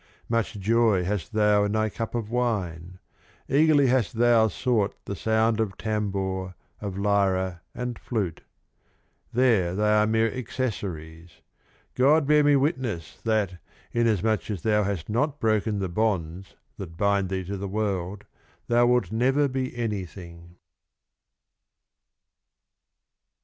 Much joy hast thou in thy Cup of Wine. Eagerly hast thou sought the Sound of Tambour, of Lyra, and Flute : there, they arc mere Accessories. God bear me witness that, inasmuch as thou hast not broken the Bonds that bind thee to the World, thou wilt never be anything.